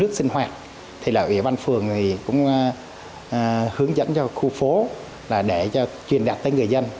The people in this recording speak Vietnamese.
nước sinh hoạt thì là ủy ban phường thì cũng hướng dẫn cho khu phố là để cho truyền đặt tới người dân